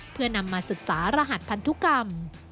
เพื่อนำมาศึกษารหัสพันธุกรรม